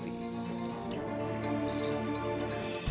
tidak ada yang bisa mengakses